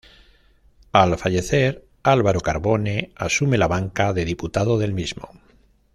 Al fallecer Álvaro Carbone, asume la banca de diputado del mismo.